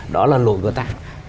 đó là lỗi của ta